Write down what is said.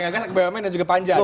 ngegas kebaya umenya dan juga panja